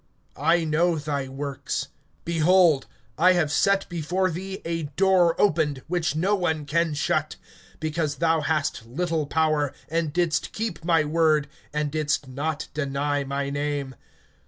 (8)I know thy works. Behold, I have set before thee a door opened, which no one can shut; because thou hast little power and didst keep my word, and didst not deny my name.